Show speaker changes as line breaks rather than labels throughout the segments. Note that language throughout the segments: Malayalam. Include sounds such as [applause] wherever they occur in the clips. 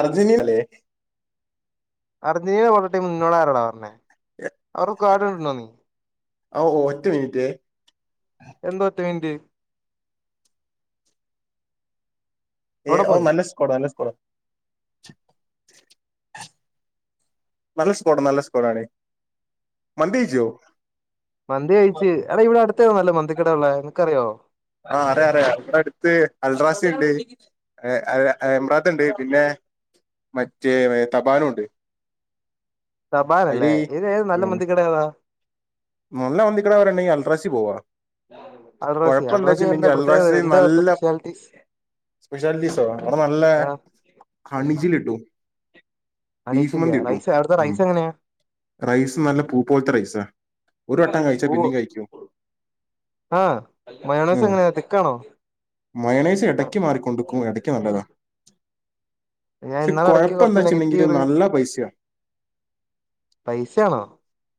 അർജന്റീനല്ലേ?
അർജന്റീന പോല ടീമ് നിന്നോടാരടാ പറഞ്ഞേ അവരെകാർഡ് ട്ടുണ്ടോ നി
അ ഓ ഓ ഒറ്റ മിന്റ്റേ
എന്തൊറ്റമിൻ റ്റ്
ഏ
എവിടെ
ഓ
പോയി
നല്ലസ്കോടാ നല്ലസ്കൊട നല്ല സ്കോഡ നല്ല സ്കോഡാണ് മന്തിയ്ചോ?
മന്തി കയ്ച്ച് അടെ ഇവടടുതേത ന്നല്ല മന്തിക്കടള്ളേനിനക്കറിയോ?
ആ അറിയറിയ ഇവടടുത്ത അൽറാസിയിണ്ട് എ അയ് അയ് എമ്പ്രാത്ത്ണ്ട് പിന്നെ മറ്റേ തപാനുണ്ട്
തപാനല്ലേ ഏതേത് നല്ല
ഉം
മന്തിക്കടാ ഏതാ
നല്ല മന്തിക്കട പറാണ്ടേൽ അൾട്രാസി പോവാ
അൽറോസി അൽറോസി എന്താ
കൊഴപ്പന്താച്ചിണ്ടെങ്കില്
പ്രത്യേകത
അൽഡ്രാസിയിൽ
എന്താ അവിടുത്തെ
നല്ല
സ്പെഷ്യാലിറ്റീസ്
സ്പെഷ്യാലിറ്റീസൊ അവ്ടെ നല്ല
ആഹ്
ഹണിജില്ല്ട്ടും ബീഫ്
അണീച്ചില്ല
മന്തി കിട്ടും
റൈസ് അവിടുത്തെ
ഉ
റൈസ് എങ്ങനെയാ
റൈസ് നല്ല പൂ പോലത്തെ റൈസാ ഒരു വട്ടം കഴിച്ചാ
പൃരു
പിന്നെയും കഴിക്കും
ആഹ
ഉം
മയണൊയ്സെങ്ങനതിക്കാണോ?
മയണൈസ് എടയ്ക്ക് മാറിക്കൊണ്ടിരിക്കും എടക്ക് നല്ലതാ
ഞാൻ
ക്ഷെ
ഇന്നാള് ഇടക്ക് കുറച്ച്
കൊഴപ്പെന്താച്ച്ട്ട്ണ്ടെങ്കില്
നെഗറ്റീവ് റി
നല്ല പൈസയാ
പൈസണെ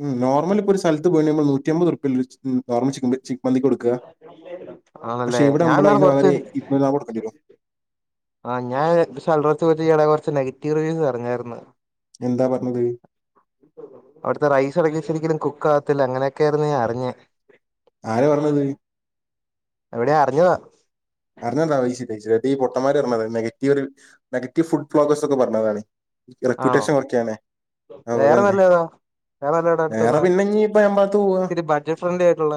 ഉം നോർമല് പ്പൊ ഒരു സ്ഥലത്ത് പോയിണ്ടെങ്കി നൂറ്റമ്പത്റുപ്പിയല്ലേ ഒര് ചിക്ക മന്തിക്ക് കൊട്ക്ക ക്കാ ക്ഷെ
ആണല്ലേ ഞാൻ ഇന്നാള്
ഇവടമ്മളയ്ന്
കുറച്ച്
വകരെ ഇരുനൂറ്റിനാപ്പത് കൊട്ക്കണ്ടേരും
ആ ഞാസെൽറെറ്റ ടെ കൊറച്ച് നെഗറ്റീവ് റിവ്യൂസ് പറഞാര്ന്ന്
എന്താ പറഞ്ഞത്?
അവിടത്തെ റൈസ്എടക്ക്ശെരിക്കും കുക്കാവത്തില്ല അങ്ങനെക്കെ ഞാനറിഞ്ഞേ
ആരെ പറഞ്ഞത്?
എവിടെയാ അറിഞ്ഞ് വാ
അറിഞ്ഞതെന്താഒയ്ച്ചിലെ അതി പൊട്ടമാര് പറഞ്ഞത് നെഗറ്റീവൊരു നെഗറ്റീവ് ഫുഡ് ഫ്ലോഗേൾസ്ന്ന് പറഞ്ഞാലാണ്
ആണോ
റെക്യൂട്ടേഷൻ കൊറക്കാലേ
വേറെ വെല്ലേതാ വേറെ വല്ല കട
വേറെ
അടുത്തുള്ള
പിന്നെ ഇനി ഇപ്പ
ഇത്തിരി ബഡ്ജറ്റ് ഫ്രണ്ട്ലി ആയിട്ടുള്ള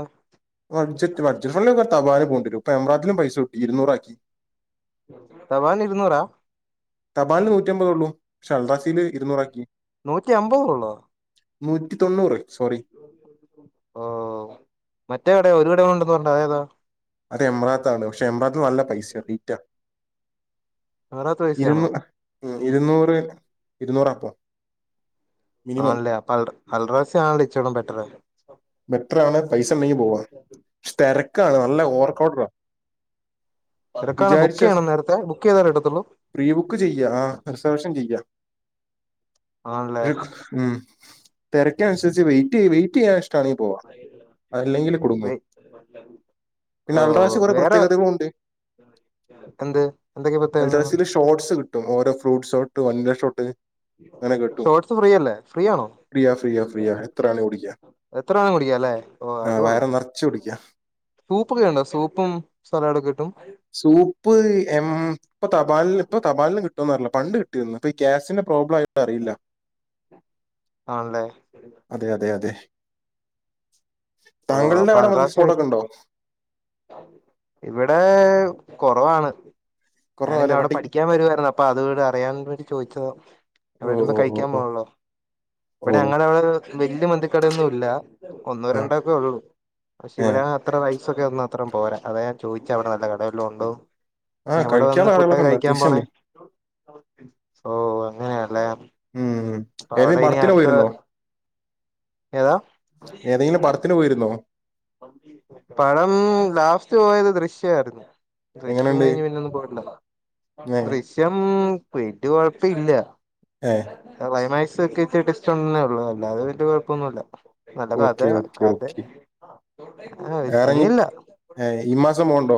വഡ്ജറ്റ് വഡ്ജറ്റ് ഫ്രണ്ട്ലി വർ തപാനേ പോണ്ടിരും ഇപ്പൊ എമ്രാത്തിലും പൈസ കൂട്ടി ഇരുന്നൂറാക്കി
തവാനിരുന്നൂറ
തപാനില് നൂറ്റിഅമ്പതേള്ളൂ പക്ഷെ അൽറാസില് ഇരുന്നൂറാക്കി
നൂറ്റി അമ്പതോ ഒള്ളോ
നൂറ്റി തൊണ്ണൂറ് സോറി
ഓ മറ്റേ കട ഒരു കട കൂടെ ഒണ്ടെന്ന് പറഞ്ഞത് അതേതാ
അത് എമ്രാത്താണ് പക്ഷെ എമ്രാറാത്ത് നല്ല പൈസയ റേറ്റാ
അറുപത് പൈസയാണോ
ഇരുന്നു ഇരുന്നൂറ് ഇരുന്നൂറാപ്പം
ആണല്ലേ അപ്പ അൽ അൽറാസി ആണല്ലെ ഇച്ചിരൂടെ ബെറ്ററ്
ബെറ്ററാണ് പൈസണ്ടെങ്കി പോവാ ഷ് തെരക്കാണ് നല്ല ഓർക്കൗഡറാ
തെരക്കാണെ ബുക്ക് ചെയ്യണം നേരത്തെ ബുക്ക് ചെയതാലേ കിട്ടത്തുള്ളൂ
പ്രീബുക്ക് ചെയ്യാ ആഹ് റിസർവേഷൻ ചെയ്യാ
ആണല്ലേ
ദേക്കു ഉം തെരക്കനുസരിച്ച് വെയിറ്റ് ചെയ്യ് വെ വിറ്റ് ക്യാഷ് ട്ടാണി പോവാ അല്ലെങ്കില് കുടുങ്ങും
ഓ
പിന്നെ അൽറാശി കുറെ
വേറെ
പ്രത്യേകതകളുണ്ട്
എന്ത് എന്തൊക്കെ
അൽ
പ്രത്യേകതകള്
ഡ്രസില് ഷോട്ട്സ് കിട്ടും ഓരോ ഫ്രൂട്ട് ഷോട്ട് വൺവെ ഷോട്ട് അങ്ങനെ കിട്ടും
ഷോർട്സ് ഫ്രീ അല്ലേ ഫ്രീ ആണോ
ഫ്രീയ ഫ്രീയ ഫ്രീയ എത്ര വേണേ കുടിക്ക
എത്ര വേണേലും കുടിക്കാലേ ഓ
നിറച്ച് കുടിക്കാ
അതുകൊള്ളാംസൂപ്പൊക്കെണ്ടോ സൂപ്പും സലാഡൊക്കെ കിട്ടും
സൂപ്പ് എം ഇപ്പൊ തപാലില് ഇപ്പൊ തപാലിലും കിട്ടോന്ന് അറിയില്ല പണ്ട് കിട്ടിരുന്നു ഇപ്പ ഈ ഗ്യാസിന്റെ പ്രോബ്ലം ആയിട്ട് അറിയില്ല
ആണല്ലേ
അതെ അതെ അതെ
ഓ
താങ്കളുടെ
അപ്പൊ
അവിടെ മന്തി
അൽറാസിയാണ്
സ്പോട്ടൊക്കെ ഉണ്ടോ
ഇവിടെ കൊറവാണ്
കുറേ
ഞാനിനി
പോലെ
അവിടെ
പട്ടി
പഠിക്കാൻ വരുവാരുന്നു അപ്പൊ അത് വിട് അറിയാൻ വേണ്ടി ചോദിച്ചത
ഓ
അവിട്ർമ്പോ
ഓ ഓ
കഴിക്കാൻ
ഓ
പോണല്ലോ
ഓ
ഇവിടെ ഞങ്ങളെ അവിടെ വെല്യ മന്തിക്കടയൊന്നും ഇല്ല ഒന്നോ
ആ
രണ്ടൊക്കെള്ളൂ പക്ഷെ
ഏ
ഇവിടെ അത്ര റൈസൊക്കെ ഒന്ന് അത്രോം പോരാ അതാ ഞാ ചോയിച്ചെ അവിടെ നല്ല കട വെല്ലോം ഒണ്ടോ
ആ
ഇനി അവിടെ വന്ന്
കഴിക്കാനുള്ള
ഫുഡ്
ആളുകളൊക്കെ ഉണ്ട്
കഴിക്കാൻ
അത്യാവശ്യം
പോണേ
ഉണ്ട്
ഓ അങ്ങനെയാല്ലേ
ഉം
അപ്പൊ
ഏതേം
അവിടെ ഇനി
പടത്തിന്
അടുത്ത
പോയിരുന്നോ
ഏതാ
ഏതെങ്കിലും പടത്തിന് പോയിരുന്നോ
പടം ലാസ്റ്റ് പോയത് ദൃശ്യാരുന്നു ദൃശ്യം
എങ്ങനെയുണ്ട്
കഴിഞ്ഞ് പിന്നൊന്നും പോയിട്ടില്ല
ഏ
ദൃശ്യം പെടു കൊഴപ്പയില്ല
ഏ
ക്ലൈമാക്സ് ഒക്കെ ട്ട് ട്ട് ടിസ്റ്റോന്നെള്ളൂ അല്ലാതെ വെല്ലിയെ കൊഴപ്പന്നുല്ല
ഓക്കെ ഓക്കെ ഓക്കെ
ആ
വേറെയ്
സീനില്ല
ഏ ഈ മാസം പോണ് ണ്ടോ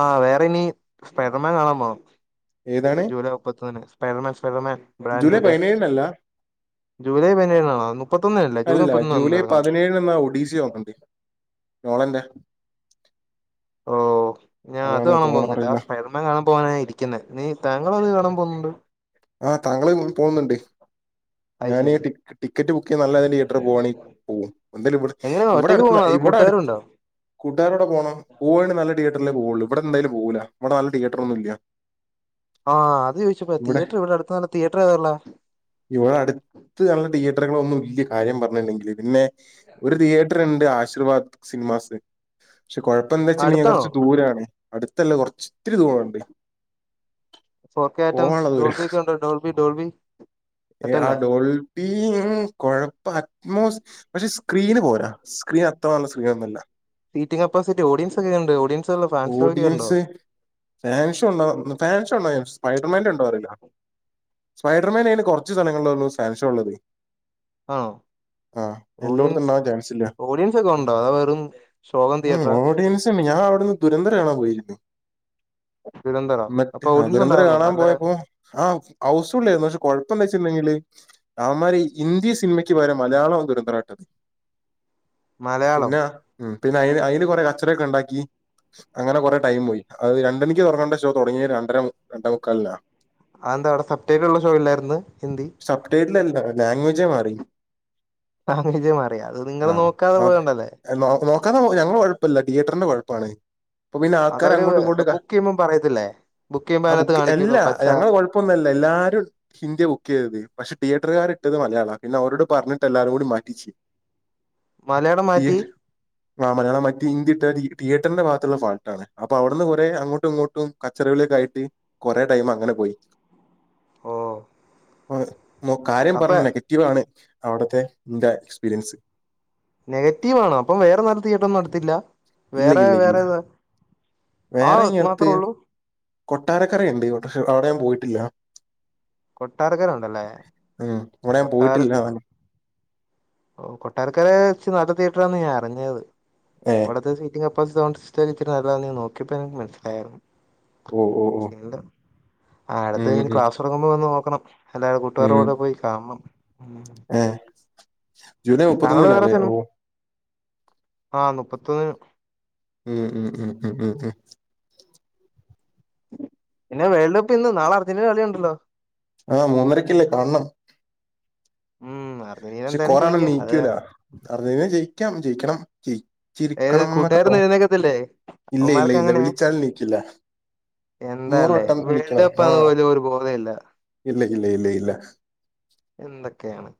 ആഹ് വേറെ ഇനി സ്പൈഡർമാൻ കാണാൻ പോണം
ഏതാണ്
ജൂലൈ മുപ്പത്തൊന്നിന് സ്പൈഡർമാൻ സ്പൈഡർമാൻ
ജൂലൈ
ബാനുഡേ
പതിനേഴിനല്ല
ജൂലൈ പതിനേഴിനാണോ മുപ്പത്തൊന്നിനല്ലേ ജൂലൈ
അല്ല
മുപ്പത്തൊന്ന് അന്നേറങ്ങും
പതിനേഴിന് ബന്റാ
ഓ ഞാൻ അത്
അതാണ്
കാണാ
തോന്നുന്നു
വന്നില്ല
അറിയില്ല
സ്‌പ്രേതം മാ കാണാൻ പോവാന ഇരിക്കുന്നെ നി താങ്കളത് കാണാൻ പോവുന്നുണ്ട്
ആ താങ്കള് വ് പോവുന്ന്ണ്ട്
അത്
ഞാനി
ശരി
ടിക് ടിക്കറ്റ് ബുക്ക് [unintelligible] [unintelligible] പോവാെണി പോവും എന്തയാലും ഇവിടെ
എങ്ങനെയാ
ഇവിടെ
ഒറ്റയ്ക്ക് പോണോ അതോ
അടുത്ത്നഇവിടെ അടുത്
കൂട്ടുകാരുണ്ടോ
കൂട്ടാരോടെ പോണം പോവാണെങ്കി നല്ല തിയേറ്ററിലെ പോകുള്ളൂ ഇവിടെന്തായാലും പോകൂല ഇവിടെ നല്ല തിയേറ്ററൊന്നും ഇല്ല്യ
ആഹ് അത് ചോയിച്ചപ്പഴാതിയറ്റർ ഇവിടെടുത്ത നല്ല തീയേറ്റർ എവിടള്ളെ
ഇവിടെ അടുത്ത് അല്ല തിയേറ്ററുകളൊന്നുംല്യ കാര്യം പറഞ്ഞണ്ടെങ്കില് പിന്നെ ഒരു തിയേറ്റണ്ട് ആശീർവാദ് സിനിമാസ് പക്ഷെ കൊഴ.. ഇപ്പന്താച്ച മീൻ
അടുത്താണോ
കൊറച്ച് ദൂരാണ് അടുത്തല്ല കൊറച്ച് ത്തിരി ദൂരണ്ട്
ഫോർക്ക ഐറ്റസ് ഡോൾഫി ക്കെണ്ടൊ ഡോൾഫി ഡോൽവി
എഅ ഡോൽപി ഉം കുഴപ്പ അറ്റ് മോസ്റ്റ്‌ പക്ഷെ സ്ക്രീന് പോരസ്ക്രീൻ അത്ര നല്ല സ്ക്രീ നൊന്നല്ല
സീറ്റ് കപ്പാസിറ്റി ഓടിയൻസ്ങ്ങനെ യുണ്ട് ഓഡിയൻസ് ഉള്ള ഫാൻസ് ഒക്കെ ഉണ്ടോ
ഓഡിയൻസ് ഫാൻഷോണ്ടൊന് ഫാൻഷോ ഉണ്ടോ സ്പൈഡർമാന്റണ്ടോറില സ്പൈഡർമാനയിന് കൊറച്ച് സ്ഥലങ്ങളിളൊ ള്ളു സാൻഷോ ള്ളത്
ആണോ
എല്ലായിടത്തും
ഓഡിയൻസ്
ഉണ്ടാവാൻ ചാൻസ് ഇല്ല
ഓഡിയൻസൊക്കെ ഉണ്ടോ അതൊ വെറും ശോ കം തിയേറ്ററാ
[unintelligible] ഞാഅവിടുന്ന് ദുരന്തര കാണാൻ പോയിരുന്ന്
തിരുവനന്തപുരം
[inaudible] മറ്റ്
അപ്പൊ ഓഡിയൻസ്
[unintelligible]
ഉണ്ടായിരുന്നു നല്ല
കാണാമ്പോയപ്പോ ആഹ് ഹൗസുള്ളേര്ന്നു പക്ഷെ കൊഴപ്പന്താ ച്ചില്ലാ [unintelligible] അവന്മാര് ഇന്തീ സിനിമയ്ക്ക് പകരം മലയാളം [unintelligible]
മലയാളം
പിന്നെ ഉം പിന്നെ അയിന് അയിന് കൊറെ കച്ചറക്കണ്ടാക്കി അങ്ങനെ കുറെ ടൈപോയി അത് രണ്ട ണിക്ക് തുടങ്ങേണ്ട ഷോ തുടങ്ങിയ രണ്ടര രണ്ട മുക്കാലിനാ
ആഎന്താവിടെ [unintelligible] ള്ള ഷോല്ലായിരുന്നു. ഹിന്ദി
സബ്ടെട്ടിലല്ല ലാംഗ്വേജേ മാറി
ആ ങ്ങേജേ മാറിയോ അത് നിങ്ങള്നോക്കാതെ പോയോണ്ടല്ലേ
എ നൊ നോക്കാതെ പോയ ഞങ്ങളകുഴപ്പമല്ല തിയേറ്ററിന്റെ കുഴപ്പാണ് ഇപ്പൊ പിന്നെ ആൾക്കാര്
അതവര്
അങ്ങോട്ടു ഇങ്ങോട്ടുക
ബുക്ക് ചെയ്യുമ്പോം പറയത്തില്ലേ ബുക്ക് ചെയ്യുമ്പോ
[inaudible] ആ
അതിനകത്ത്
ബുക്ക് എല്ല
കാണിക്കൂല്ലോ പച്ച
ഞങ്ങള്കൊഴ് ഇപ്പൊന്നല്ല എല്ലാരു ഹിന്ദി ബുക്ക് ചെയ്തത്. പക്ഷേ തിയേറ്ററുകാരിട്ടത് മലയാള. പിന്നെ അവരോട് പറഞ്ഞിട്ട് എല്ലാരുടി മാറ്റി്ച്ച്
മലയാളം മാറ്റി
ആ മലയാള മാറ്റി ഹിന്ദി ഇട്ട ടി ടി യേറ്ററിന്റെ ഭാ ഉള്ള ഫാൾട്ടാണ് അപ്പൊ അവിന്ന് കുറേ അങ്ങോട്ടു ഇങ്ങോട്ടും കച്ചറകളി ഒക്കേയിട്ട് കൊറേ ടൈമ് അങ്ങനെ പോയി
ഓ ഓ
[unintelligible] കാര്യം പറഞ്ഞ നെഗറ്റീവാണ് അവിടുത്തെ ഇന്റെ എക്സ്പീരിയൻസ്
നെഗറ്റീവ് ആണോ അപ്പം വേറെ നല തീയേറ്റൊന്നും നടത്തിറ്റില്ല
ഇല്ല
വേറെ
ഇല്ല ഇല്ല
വേറെ ത ആ മാത്രേ ഉള്ളു
കൊട്ടാരക്കരയ്ണ്ട്. ട്ട്ക്ഷേ അവിടെ ഞാൻ പോയിട്ടില്ല
കൊട്ടാരക്കര ഉണ്ടല്ലേ
ഉം അവിടെ ഞാൻ പോയിട്ടില്ലാനും
ഓ കൊട്ടാരക്കര ച്ച് നല്ല തിയറ്ററാന്ന് ഞാൻ അറിഞ്ഞത് [unintelligible]
ഏ..
അതാണ് നോക്കിയപ്പോ എനക്ക് മനസിലായെ
ഓ ഓ ഓ
സിന്തു
ഉം
[unintelligible]
ഉം
ക്ലാസ്സ്.. തുടങ്ങുമ്പോ വന്ന് നോക്കണം എല്ലാരും
ഉം
കൂട്ടുകാരോടെ പോയി കാണണം
ഏ ജൂലൈ
ആള് വേറെ
മുപ്പത്തൊന്നിനല്ലേ ഓ
തെനുആഹ മുപ്പത്തൊന്ന്
ഉം ഉം ഉം ഉം ഉം ഉ
പിന്നെ വേൾഡപ്പ് ഇന്ന് നാളെ അ ർജന്റിന്റെ കളിയുണ്ടല്ലോ
ആഹ് മൂന്നരക്കല്ലേ, കാണണം.
ഉം.. അർജന്റീന
പക്ഷെ
എന്തായാലും
കൊറേ ആള്
ജയിക്കും അത്
നീക്കൂല, അർജന്റീന ജയിക്കാം ജയിക്കണം.
ഏത്
ജയിച്ചിരിക്കണംന്നൊക്കെ
കൂട്ടുകാരൊന്നും
തോന്നും.
എഴുന്നേക്കത്തില്ലേ
കേട്ടോ ഇല്ല ഇല്ല
അവന്മാർക്ക്
ഇല്ല
അങ്ങനെയാ
വിളിച്ചാൽ നീക്കില്ല. നൂറ്
എന്താല്ലേ
വട്ടം
വേൾഡ്
വിളിക്കണം ആ
കപ്പാന്ന് പോലും ഒരു ബോധല്ല.
ഇല്ല ഇല്ല ഇല്ലേ ഇല്ല.
എന്നൊക്കെയാണ്.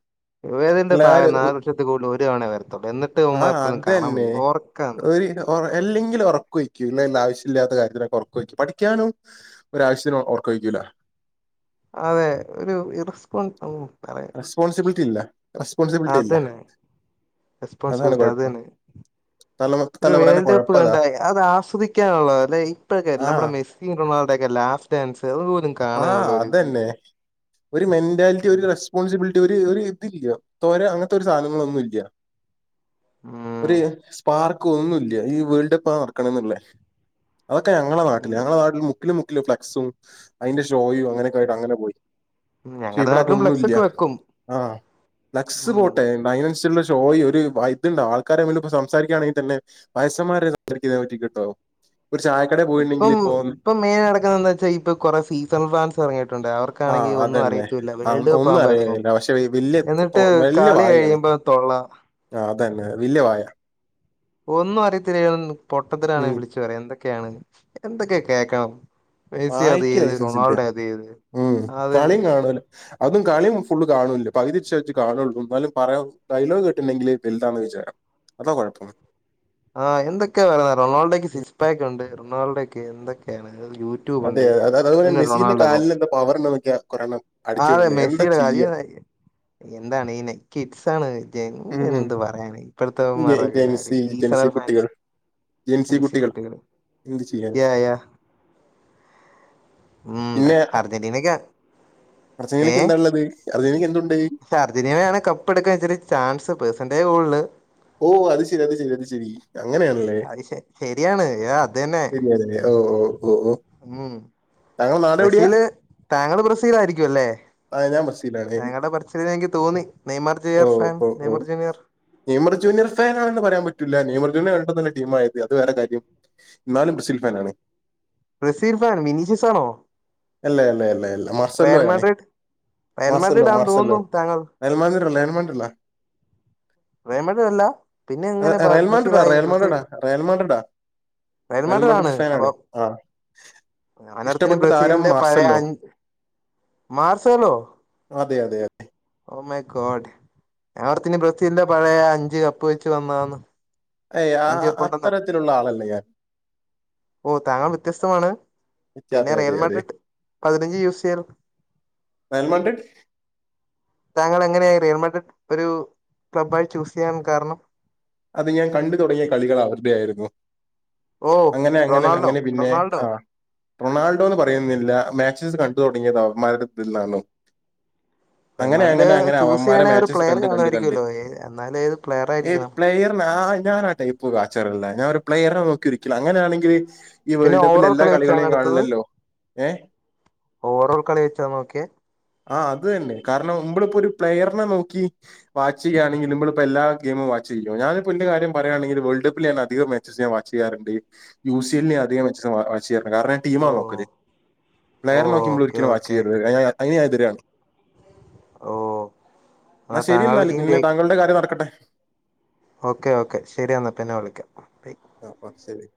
[unintelligible]
എല്ലാരും
നാല് വർഷത്തിൽ കൂടുതൽ ഒരുതവണേ വരത്തൊള്ളൂ. എ
ആ
ന്നിട്ടിവമ്മാക്കൊന്നും കാണാംവയ്യ. ഓർക്കാ
ഒറ അല്ലെങ്കിലും ഒറക്കൊഴിക്കും ഇല്ലല്ലാ ആവശ്യല്ലാത്ത കാര്യത്തിനൊക്കെ ഒറക്കൊഴിക്കും. പഠിക്കാനും ഒരാവശ്യത്തിനും ഉറക്കം ഒഴിക്കില്ല.
അതെ ഒരു ഇറസ്പോണ്ട് ഉം പറയാം.
റെസ്പോൺസിബിലിറ്റി ഇല്ല, റെസ്പോൺസിബിലിറ്റി ഇല്ല. അതാണ്
റെസ്പൻസിബിലിറ്റി അത്
കുഴപ്പം
തന്നെ.
തലമ
ഒരു
തലമുറേനെ
വേൾഡ് കപ്പ്
കുഴപ്പതാ
കണ്ടാല് അത് ആസ്വദിക്കാനുള്ളത അല്ലെ, ഇപ്പഴൊക്കെല്ല
ആ
നമ്മുടെ മെ കിംഗ് റൊണാൾഡോക്കെ ലാസ്റ്റ് ചാൻസ് അതുപോലും
ആ
കാണാനുള്ള ഒരുതില്ല.
അതന്നെ ഒരു മെന്റാലിറ്റി ഒരു റെസ്പോൺസിബിലിറ്റി ഒരു ഒരിതില്ല തൊര അങ്ങൻത്തൊരു സാധനങ്ങളൊന്നുംല്ല.
ഉം
ഒരു സ്പാ ക്കോന്നൂല്ല ഈ വേൾഡ് കപ്പ് നടക്കണന്നുള്ള, അതൊക്കെ ഞങ്ങളെ നാട്ടില്
ഉം.
ഞങ്ങളെ നാട്ടില് മുക്കില് മുക്കിലും ഫ്ലെക്സും അതിന്റെ ഷോയും അങ്ങനൊക്കായിട്ട് അങ്ങനെ പോയി.
ഉം ഞങ്ങടെ നാട്ടിലും ഫ്ലക്സൊക്കെ വെക്കും.
ആഹ് ഫ്ലക്സ്
ഉം
പോട്ടെ അതിനനുസരിച്ചുള്ള ഷോയി ഒരു ഇത്ണ്ടാ ആൾക്കാരെ മുന്ന് പ്പോ സംസാരിക്കാണെങ്കി തന്നെ വയസ്സമ്മാര് സംസാരിക്കുന്നെനെ പറ്റികേട്ടോ, ഒരു ചായക്കടെ പോയിണ്ടെങ്കിലിപ്പോ.
മെയിനായിട്ട് നടക്കുന്നതെന്താച്ചാ ഇപ്പോ കൊറെ സീസൺ ഫാൻസ് ഇറങ്ങിയിുണ്ട്.
ആ
ക്കാണെങ്കി ഒന്നും
അതന്നെ
അറിയത്തൂല്ല
ആ
വേൾഡ്
ഒന്നും
കപ്പാവുമ്പോ എറങ്ങും,
അറിയില്ല പക്ഷെ വലിയ
എന്നിട്ട്
വലിയ
കളി
വായാണ്
കഴിയുമ്പോ തൊള്ളാ
അതന്നെ വല്ല്യേ വായ.
ഒന്നും അറിയത്തില്ലെങ്കിലും ന്നും പൊട്ടത്തരാണ്
ഉം
വിളിച്ചു പറയാ, എന്തൊക്കെയാണ് എന്തൊക്കെ കേക്കണം. മെസ്സി അത്
വായക്ക്
ചെയ്ത്
ലൈസൻസില്ല.
റൊണാൾഡോ അത് ചെയ്ത്
ഉം കളി
അതന്നെ
കാണാ അതും കളിയും ഫുള്ള് കാണൂല്ല. പകുതിച്ച്വെച്ചേ കാണൊള്ളൂ ന്നാലും പറയാ ഡയലോഗ് കേട്ടിട്ടിണ്ടെങ്കില് വൽതാന്ന് വിചാരം. അതാ കൊഴപ്പം.
ആഹ് എന്തൊക്കെയാ നൊണപറഞ്ഞേ റൊണാൾഡോയ്ക്ക് സിക്സ്പാക്കൊണ്ട് റൊണാഡോയ്ക്ക് എന്തൊക്കെയാണ് കഥ
അതെത അതതുപോലെ മെസ്സിന്റെ കാലിൽെന്താ പവർണ്ടൊന്നൊക്കെയാ കൊറയ്യെണം
ആന്നെ മെസ്സിടെ വല്ല്യകാര്യം, എന്താണെന്നെ കിഡ്സാണെ. എ
ഉം.
എന്ത് പറയാനാ
ജെ
ഇപ്പഴത്തവന്മാറൊക്കെ കാര്യം
ജെൻസി ജെൻസി
സീസണൽ ഫാൻസ്‌
കുട്ടികൾ ജെൻസി
എം സി
കുട്ടികൾ
കുട്ടികള്,
എന്ത് ചെയ്യാൻ?
യാ യാ ഉം അ
പിന്നെ
അർജന്റീനക്കാണ്.
അർജന്റീനക്ക്
ഏഹ്,
എന്താ ഉള്ളത്? അർജന്റീനക്ക് എന്തുണ്ട്?
പക്ഷേ അർജന്റീനയാണ് കപ്പെടുക്കാൻ ഇച്ചിരി ചാൻസ് പേഴ്‌സന്റേജ് കൂടു
ഓഹ് അത് ശരി അത് ശരി അത് ശരി അങ്ങനെയാണല്ലേ?
അത് ശരിയാണ് ഏ തന്നെ
തന്നെതന്നെ ഓ ഓ ഓഹ്
ഉം
താങ്കളെ നാടെവിടെയാ?
ബ്രസീല് താങ്കള് ബ്രസീലായിരിക്കോല്ലേ?
ഞാൻ ബ്രസീലാണ്.
താങ്കടെ പറച്ചിലിലെനിക്ക് തോന്നി. നെയ്മർ
ഓ
ജൂനിയർ ഫാൻ
ഓ ഓ.
നെയ്മർ ജുനിയർ ഫാ
നെയ്മർ ജുനിയർ ഫാനാണെന്ന് പറയാൻ പറ്റൂല്ല. നെയ്മർജുനിയർ വന്നിട്ടോന്നൊല്ല ടീമായത് അത് വേറെ കാര്യം. ന്നാലും ബ്രസീൽഫാനാണ്.
Brazil fan മിനീഷസാണോ?
അല്ല അല്ല അല്ല അല്ല മാർസല്ലോ ആണെ.
മാഡ്രിഡ് റയൽ
മാർസല്ലോ
മാഡ്രിഡ് ആന്ന്
മാർസല്ലോ.
തോന്നുന്നു താങ്കൾ
ലയൺമാൻട്രല്ല ലയൺമാൻട്രല്ല.
ലയൺമാൻട്രല്ല പിന്നെങ്ങനെ ബ
റയൽമാൻഡ്രിഡാ
ബ്രസീലായി?
റയൽമാൻഡ്രിഡാ
ബ്രസീൽ
റയൽമാൻഡ്രിഡാ
ലയൺമാൻട്രാണ്.
റയൽമാൻഡ്രിഡ് ഫാൻ
അപ്പൊ
ആണ് ആ
ഞാനോർ
ഇഷ്ടപ്പെട്ട താരം
സീലിന്റെ പഴയ
മാർസല്ലോ
അഞ്ച് മാർസേലോ.
അതെ അതെ
ഓഹ് മൈ ഗോഡ്, ഞാനോർത്തിനി ബ്രസീലിന്റെ പഴയ അഞ്ച് കപ്പ് വെച്ച് വന്നതാനെ
ഏയ് ആ ആഹ് അത്തരത്തിലുള്ള ആളല്ല ഞാൻ.
ഓഹ് താങ്ക വ്യത്യസ്തമാണ് പിന്നെ
അതെ അതെ അതെ
റിയൽമട്ടട്ട് പതിനഞ്ച് യൂസ് ചെയ്യൽണ്ട്
നയമഡ്
താങ്കൾ എങ്ങനെയ റിയൽമഡട്ട് ഒരു ക്ലബ്ബായി ചൂസ് ചെയ്യാൻ കാരണം
അത് ഞാൻ കണ്ടു തുടങ്ങിയ കളികൾ അവരുടെയായിരുന്നു
ഓ
അങ്ങനെ അങ്ങനെ
റൊണാൾഡോ
അങ്ങനെ പിന്നെ
റൊണാൾഡോ
ആഹ് റൊണാൾഡോ എന്ന് പറയുന്നില്ല മാക്സിസ് കണ്ടു തുടങ്ങിയതവന്മാരുടെ ഇതിൽ നിന്നാണ്
[inaudible]
അങ്ങനെ അങ്ങനെ
[unintelligible]
അങ്ങനെ
ചൂസ്
അവന്മാരെ
ചെയ്യണേ ഒരു
മാച്ചസ്
പ്ലെയർ
കണ്ട് കണ്ട്
കാണുമായിരിക്കുമല്ലോ എന്നാല് ഏത് പ്ലെയർ ആയിരിക്കണം
പ്ലെയറിന ആ ഞാ ആ ടൈപ്പ് കാച്ചറല്ല ഞാൻ ഒരു പ്ലെയറിനെ നോക്കി ഇരിക്കില് അങ്ങനെയാണെങ്കിൽ ഈ
പിന്നെ
വേൾഡ് കപ്പിൽ
ഓവറോൾ
എല്ലാ
കളി വെച്ചാണ്
കളികളെയും
എടുത്തത്
കാണില്ലല്ലോ ഏഹ്
ഓവറോൾ കളി വെച്ചാ നോക്കിയേ
ആഹ് അത് തന്നെ കാരണം മ്പളിപ്പോ ഒരു പ്ലെയറിനെ നോക്കി വാച്ചിയാണെങ്കിൽ നുമ്മൾ എല്ലാ ഗൈമും വാച്ചി ചെയ്യ ഞാനിപ്പ എന്റെ കാര്യ പറയാണെങ്കിൽ വേൾഡ് കപ്പിൽ ഞാൻ അധികം മാച്ചസ് ഞാൻ വാച്ച് ചെയ്യാറുണ്ട് യു സിഎലിനെ അധികം വെ വച്ചേർന്ന് കാരണം. ടീം
ഓ
നോക്കല്‌
ഓ
പ്ലെയർ നോക്കി നുമ്മള്
ഓക്കെ
ഒരിക്കലും വാച്ച്
ഓക്കെ
ചെയ്യരുത് അതിന് ഞാൻ എതിരാണ്
ഓ
എന്നാ ശരി
താങ്കളുടെ
എന്നാൽ
ടീം
പിന്നെ
ജയി
താങ്കളുടെ കാര്യം നടക്കട്ടെ
ഓക്കെ ഓക്കെ ശരി എന്നാൽ പിന്നെ വിളിക്കാം ബൈ
ആഹ് അപ്പോ ശരി